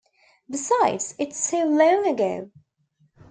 Besides, it’s so long ago.